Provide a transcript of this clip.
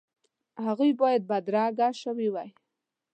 هغوی باید بدرګه شوي وای.